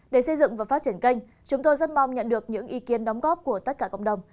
để xây dựng và phát triển kênh chúng tôi rất mong nhận được những ý kiến đóng góp của tất cả cộng đồng